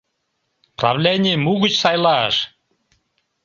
— Правленийым угыч сайлаш!